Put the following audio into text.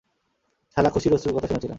শালা, খুশির অশ্রুর কথা শুনেছিলাম।